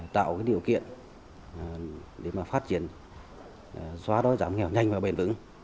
tạo cái điều kiện để mà phát triển xóa đói giảm nghèo nhanh và bền vững